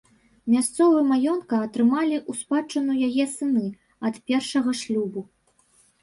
Мясцовы маёнтка атрымалі ў спадчыну яе сыны ад першага шлюбу.